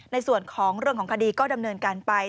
ในส่วนของเรื่องของคดีก็ดำเนินการไป